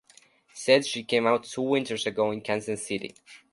Said she came out two winters ago in Kansas City.